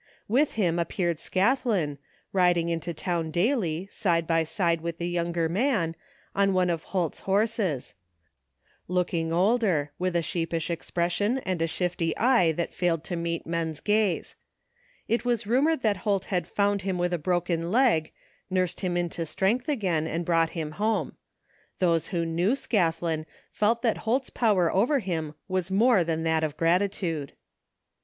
With him appeared Scathlin, riding into town daily, side by side with the younger man, on one of Holt's horses ; looking older, with a sheepish expression and a shifty eye that failed to meet men's gaze. It was rumored that Holt had found him with a broken 1^, niu'sed him into strength again and brought him home. Those who knew Scathlin felt that Holt's power over him was more than that of gratitude.